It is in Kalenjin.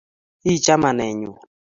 Iii chamanenyun